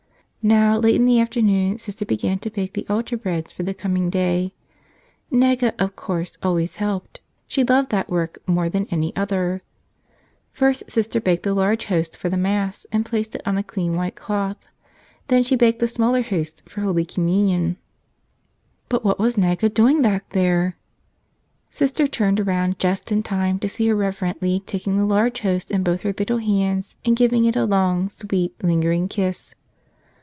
Now, late in the afternoon Sister began to bake the altar breads for the coming day. Naga, of course, al¬ ways helped — she loved that work more than any other. 120 The Christmas Kiss First Sister baked the large host for the Mass and placed it on a clean white cloth. Then she baked the smaller hosts for Holy Communion. But what was Naga doing back there? Sister turned around just in time to see her reverently take the large host in both her little hands and give it a long, sweet, lingering kiss.